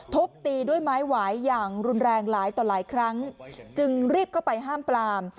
ทุบตีด้วยไม้หวายอย่างรุนแรงหลายต่อหลายครั้งจึงรีบเข้าไปห้ามปลาม